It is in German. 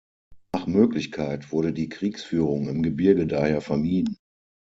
Nach Möglichkeit wurde die Kriegsführung im Gebirge daher vermieden.